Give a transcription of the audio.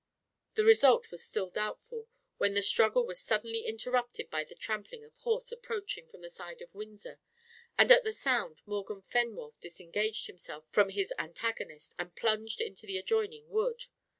The result was still doubtful, when the struggle was suddenly interrupted by the trampling of horse approaching from the side of Windsor; and at the sound Morgan Fenwolf disengaged himself from his antagonist and plunged into the adjoining wood.